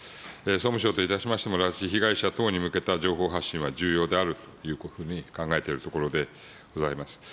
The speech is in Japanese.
総務省といたしましても、拉致被害者等に向けた情報発信は重要であるというふうに考えているところでございます。